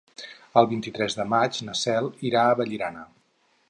El vint-i-tres de maig na Cel irà a Vallirana.